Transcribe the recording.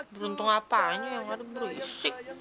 beruntung apaan ya yang ada berisik